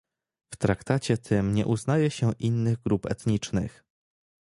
W traktacie tym nie uznaje się innych grup etnicznych